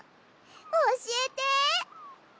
おしえて！